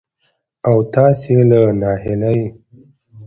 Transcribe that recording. او تاسې له ناهيلۍ